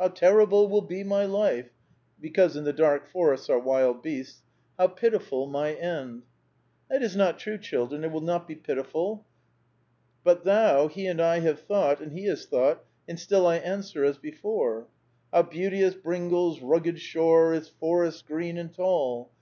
How terrible will be my life ! Because in the dark forests are wild beasts. How pitiful my end 1 " That is not true, children ; it will not be pitif il. But then, he and I have thought, and he has thought, and still I answer as before :— How beauteous Bringal's rugged shore. Its forests green and tall